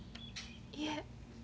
いえ。